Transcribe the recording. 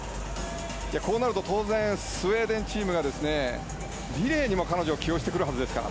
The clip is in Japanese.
こうなるとスウェーデンチームがリレーにも彼女を起用してくるはずですから。